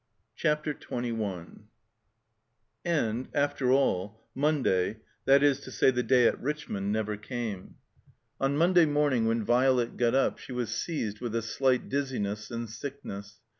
CHAPTER XXI AND, after all, Monday, that is to say the day at r\ Richmond, never came. On Monday morning when Violet got up she was seized with a slight dizziness and sickness.